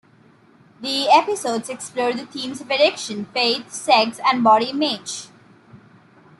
The episodes explore the themes of addiction, faith, sex and body image.